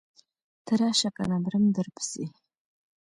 ته راشه کنه مرمه درپسې.